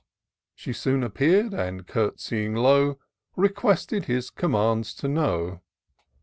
She soon appeared, and court*sying low, Requested his commands to know.